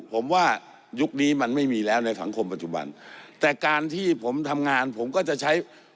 ผมว่ายุคนี้มันไม่มีแล้วในสังคมปัจจุบันแต่การที่ผมทำงานผมก็จะใช้